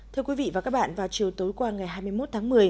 thưa quý vị và các bạn vào chiều tối qua ngày hai mươi một tháng một mươi